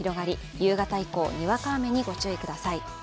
夕方以降、にわか雨にご注意ください。